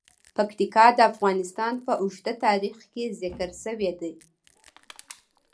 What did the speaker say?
پکتیکا د افغانستان په اوږده تاریخ کې ذکر شوی دی.